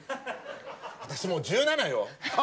私、もう１７よ！